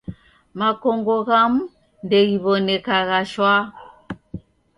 Makongo ghamu ndeghiw'onekagha shwaa.